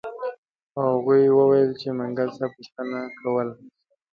هغوی وویل چې منګل صاحب پوښتنه کوله.